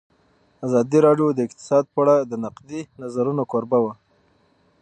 ازادي راډیو د اقتصاد په اړه د نقدي نظرونو کوربه وه.